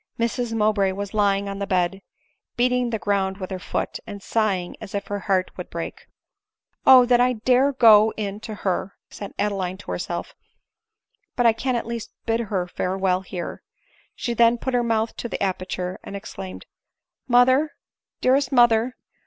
Mrs Mowbray was lying on the bed, beating the ground with her foot, and sighing as if her heart would break. " O ! that I dare go in to her !" said Adeline to her self ;" but I can at least bid her farewell here." She then put her mouth to the aperture, and exclaimed, " Mother, dearest mother